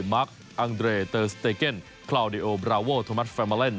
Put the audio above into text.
มาร์คอังเดร์เตอร์สเตเกิ้ลคลาวเดโอบราววอลโทมัสเฟอร์เมอร์เลนส์